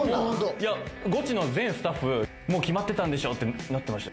いや、ゴチの全スタッフ、もう決まってたんでしょ？ってなってましたよ。